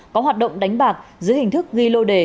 có hoạt động đánh bạc dưới hình thức ghi lô đề